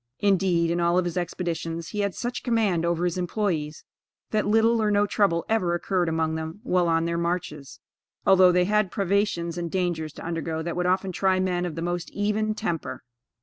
Indeed, in all of his expeditions, he had such command over his employees, that little or no trouble ever occurred among them while on their marches, although they had privations and dangers to undergo that would often try men of the most even temper.